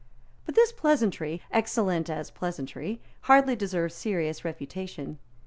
But this pleasantry, excellent as pleasantry, hardly deserves serious refutation.